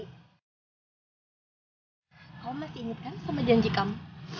kamu masih ingat kan sama janji kamu